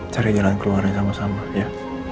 cari jalan keluarnya sama sama ya